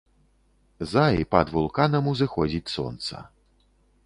За і пад вулканам, узыходзіць сонца.